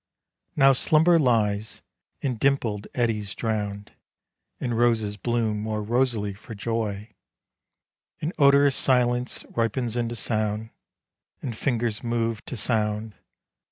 Now slumber lies in dimpled eddies drown'd And roses bloom more rosily for joy, And odorous silence ripens into sound, And fingers move to sound.